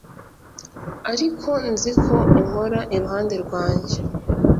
ariko nzi ko uhora iruhande rwanjye